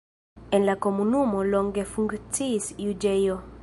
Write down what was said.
En la komunumo longe funkciis juĝejo.